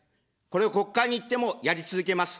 これを国会に行ってもやり続けます。